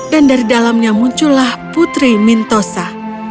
dan dari dalamnya muncullah putri mintosa